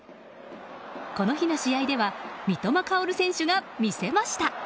この日の試合では三笘薫選手が魅せました。